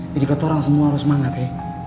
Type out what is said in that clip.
jadi kata orang semua harus semangat ya